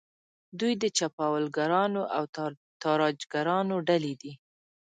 دوی د چپاولګرانو او تاراجګرانو ډلې دي.